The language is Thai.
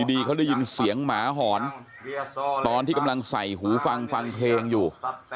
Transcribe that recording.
ดีเขาได้ยินเสียงหมาหอนตอนที่กำลังใส่หูฟังฟังเพลงอยู่